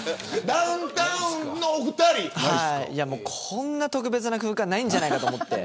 こんな特別な空間ないんじゃないかと思って。